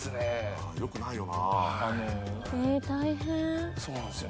あ良くないよな。